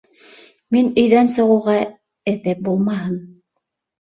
Мин өйҙән сығыуға эҙе булмаһын!